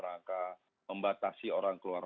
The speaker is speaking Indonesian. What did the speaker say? rangka membatasi orang keluar